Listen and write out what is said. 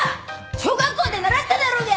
小学校で習っただろうが！